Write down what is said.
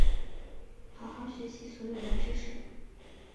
好好学习所有的知识